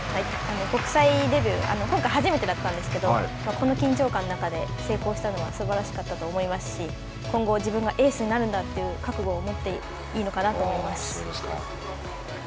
国際デビュー、今回初めてだったんですけど、この緊張感の中で成功したのは、すばらしかったと思いますし、今後自分がエースになるんだという覚悟を持っていいのかなと思います。